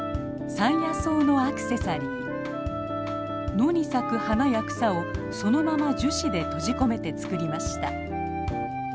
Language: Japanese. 野に咲く花や草をそのまま樹脂で閉じ込めて作りました。